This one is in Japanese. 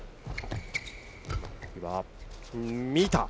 見た。